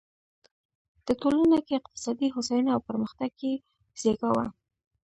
د ټولنه کې اقتصادي هوساینه او پرمختګ یې زېږاوه.